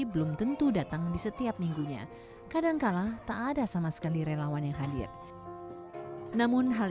belum tentu datang di setiap minggunya kadangkala tak ada sama sekali relawan yang hadir namun hal